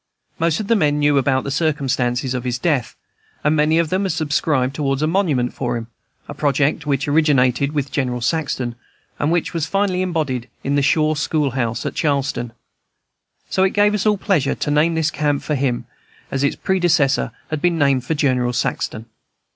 Most of the men knew about the circumstances of his death, and many of them had subscribed towards a monument for him, a project which originated with General Saxton, and which was finally embodied in the "Shaw School house" at Charleston. So it gave us all pleasure to name this camp for him, as its predecessor had been named for General Saxton.